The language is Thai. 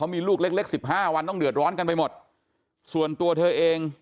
มีลูกเล็กเล็กสิบห้าวันต้องเดือดร้อนกันไปหมดส่วนตัวเธอเอง